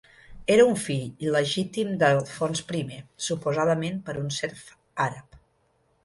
Era un fill il·legítim d'Alfons I, suposadament per un serf àrab.